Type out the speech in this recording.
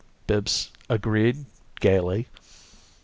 Bibbs agreed, gaily.